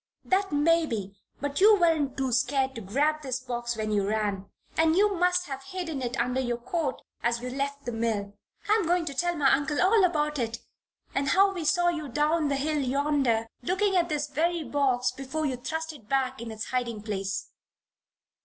"That may be. But you weren't too scared to grab this box when you ran. And you must have hidden it under your coat as you left the mill. I am going to tell my uncle all about it and how we saw you down the hill yonder, looking at this very box before you thrust it back in its hiding place."